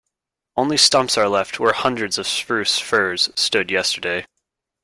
Only stumps are left where hundreds of spruce firs stood yesterday.